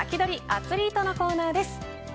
アツリートのコーナーです。